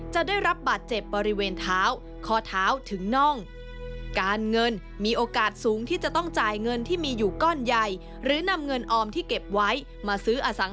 จะได้รับบาดเจ็บบริเวณเท้าข้อเท้าถึงน่อง